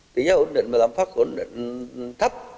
tỷ giá ổn định mà lạm phát ổn định thấp